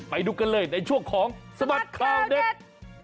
ไปดูกันเลยในช่วงของสบัดข่าวเด็ก